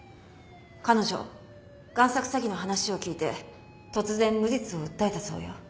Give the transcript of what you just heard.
彼女贋作詐欺の話を聞いて突然無実を訴えたそうよ。